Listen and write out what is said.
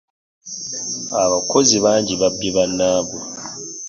abakozi bangi babbye bannaabwe.